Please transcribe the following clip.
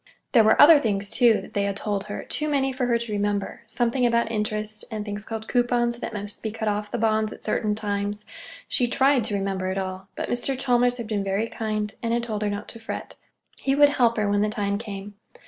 There were other things, too, that they had told her—too many for her to remember—something about interest, and things called coupons that must be cut off the bonds at certain times. She tried to remember it all; but Mr. Chalmers had been very kind and had told her not to fret. He would help her when the time came.